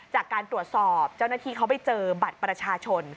จากการตรวจสอบเจ้าหน้าที่เขาไปเจอบัตรประชาชน